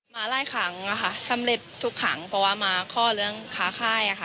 มาหลายครั้งอะค่ะสำเร็จทุกครั้งเพราะว่ามาข้อเรื่องค้าค่ายค่ะ